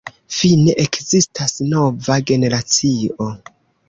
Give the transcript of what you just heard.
Fine ekzistas nova generacio.